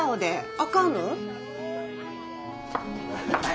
あかんの？